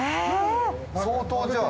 相当じゃあ。